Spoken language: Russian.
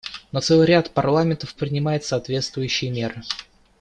Но целый ряд парламентов принимает соответствующие меры.